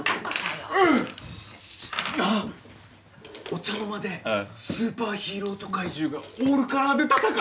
お茶の間でスーパーヒーローと怪獣がオールカラーで戦う！